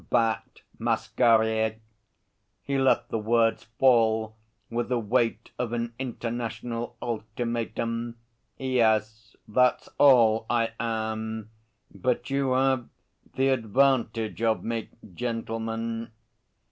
'Bat Masquerier.' He let the words fall with the weight of an international ultimatum. 'Yes, that's all I am. But you have the advantage of me, gentlemen.'